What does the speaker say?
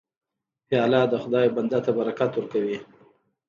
پیاله د خدای بنده ته برکت ورکوي.